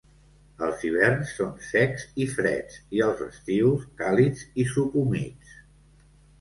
Els hiverns són secs i freds i els estius càlids i subhumits.